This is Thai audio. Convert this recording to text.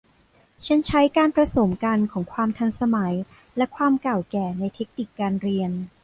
ฉันใช้การผสมกันของความทันสมัยและความเก่าแก่ในเทคนิคการเรียน